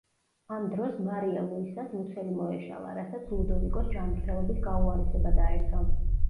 ამ დროს მარია ლუისას მუცელი მოეშალა, რასაც ლუდოვიკოს ჯანმრთელობის გაუარესება დაერთო.